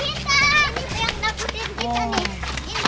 ini yang menakutin kita nih